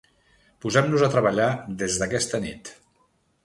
Posem-nos a treballar des d’aquesta nit.